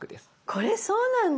これそうなんだ！